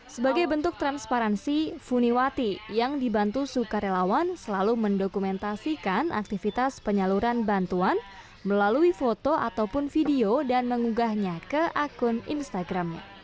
sebagai bentuk transparansi funiwati yang dibantu sukarelawan selalu mendokumentasikan aktivitas penyaluran bantuan melalui foto ataupun video dan mengunggahnya ke akun instagramnya